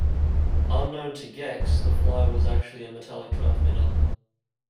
Unknown to Gex, the "fly" was actually a metallic transmitter.